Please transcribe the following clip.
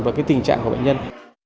vào tình trạng của bệnh nhân